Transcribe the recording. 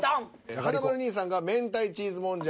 華丸兄さんが「明太チーズもんじゃ」。